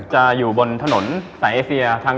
จะอยู่บนถนนไตเอเซียทาง๐๐๓๒